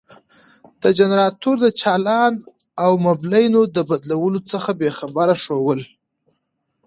د جنراتور د چالان او مبلينو د بدلولو څخه بې خبري ښوول.